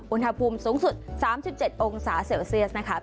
อุณหภูมิสูงสุด๓๗องศาเซลเซียสนะคะ